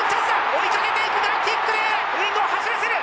追いかけていくがキックでウイングを走らせる！